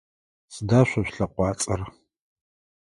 Сыда шъо шъулъэкъуацӏэр?